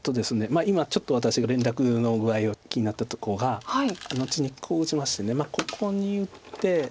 今ちょっと私が連絡の具合が気になったとこが後にこう打ちましてここに打って。